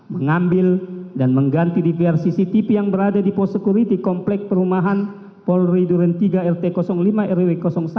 mengambil dan mengganti dvr cctv yang berada di pos security komplek perumahan polri duren tiga rt lima rw satu